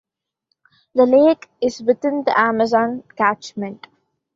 The lake is within the Amazon catchment.